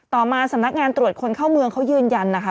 ต่อมาสำนักงานตรวจคนเข้าเมืองเขายืนยันนะคะ